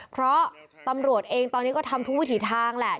เพราะตำรวจเองตอนนี้ก็ทำทุกวิถีทางแหละ